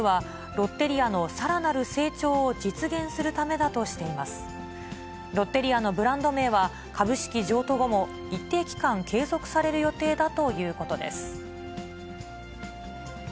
ロッテリアのブランド名は、株式譲渡後も、一定期間継続される予定だということです。